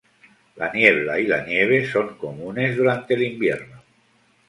La niebla y la nieve son comunes durante el invierno.